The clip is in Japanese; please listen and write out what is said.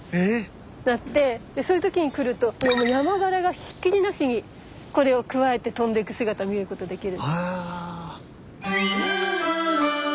でそういう時に来るとヤマガラがひっきりなしにこれをくわえて飛んでく姿見ることできる。